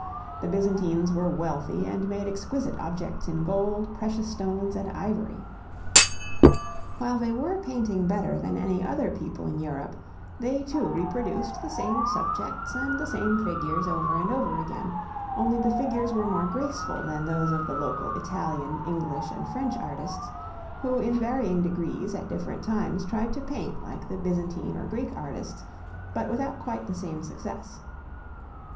The Byzantines were wealthy and made exquisite objects in gold, precious stones, and ivory. While they were painting better than any other people in Europe, they too reproduced the same subjects and the same figures over and over again, only the figures were more graceful than those of the local Italian, English, and French artists, who in varying degrees at different times tried to paint like the Byzantine or Greek artists, but without quite the same success.